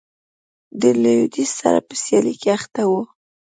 د لوېدیځ سره په سیالۍ کې اخته و.